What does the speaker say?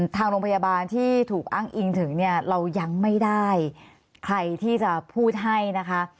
ทางโรงพยาบาลที่ถูกอ้างอิงถึงเนี่ยเรายังไม่ได้ใครที่จะพูดให้นะคะ